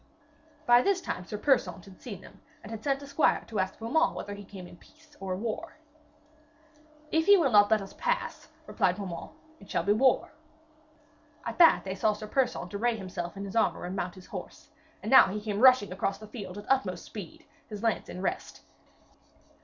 By this time Sir Persaunt had seen them, and had sent a squire to ask Beaumains whether he came in peace or war. 'If he will not let us pass,' replied Beaumains, 'it shall be war.' At that they saw Sir Persaunt array himself in his armour and mount his horse, and now he came rushing across the field at utmost speed, his lance in rest.